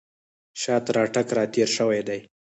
شاه تر اټک را تېر شوی دی.